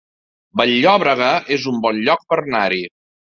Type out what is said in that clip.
Vall-llobrega es un bon lloc per anar-hi